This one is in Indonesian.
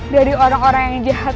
dari orang orang yang jahat